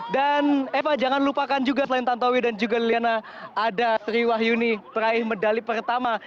dan eva jangan lupakan juga selain tontowi dan juga liliana ada sri wahyuni peraih medali pertama